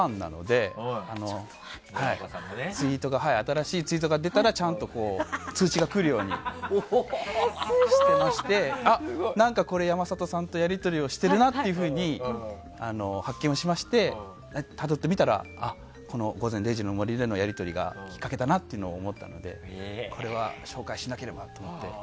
新しいツイートが出たら通知が来るようにしてまして何かこれ山里さんとやり取りをしてるなというふうに発見をしまして、たどってみたら「午前０時の森」でのやり取りがきっかけだなと思ったのでこれは紹介しなければと思って。